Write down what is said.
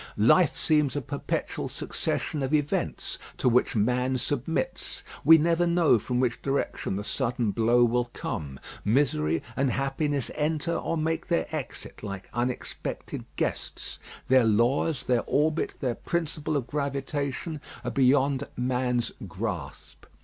Life seems a perpetual succession of events, to which man submits. We never know from which direction the sudden blow will come. Misery and happiness enter or make their exit, like unexpected guests. Their laws, their orbit, their principle of gravitation, are beyond man's grasp.